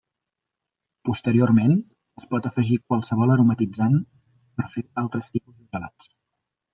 Posteriorment es pot afegir qualsevol aromatitzant per fer altres tipus de gelats.